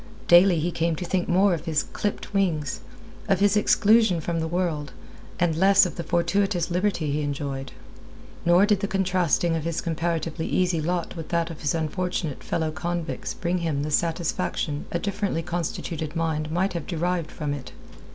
Daily he came to think more of his clipped wings, of his exclusion from the world, and less of the fortuitous liberty he enjoyed. Nor did the contrasting of his comparatively easy lot with that of his unfortunate fellow convicts bring him the satisfaction a differently constituted mind might have derived from it.